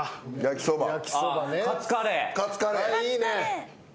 いいね。